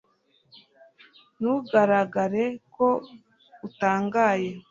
ntugaragare ko utangaye